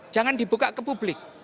jangan dibuka ke publik